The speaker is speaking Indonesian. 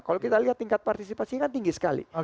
kalau kita lihat tingkat partisipasi kan tinggi sekali